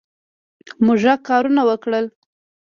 موږ کارونه وکړل